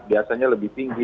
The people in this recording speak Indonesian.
biasanya lebih tinggi